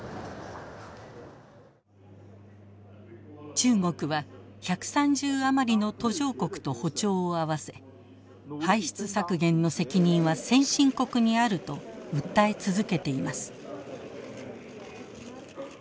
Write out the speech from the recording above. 中国は１３０余りの途上国と歩調を合わせ排出削減の責任は先進国にあると訴え続けています。